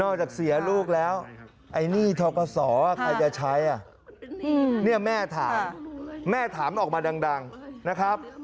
นอกจากเสียลูกแล้วไอ้นี่ทอคสออ่ะใครจะใช้อ่ะนี่แม่ถามแม่ถามออกมาดังดังนะครับ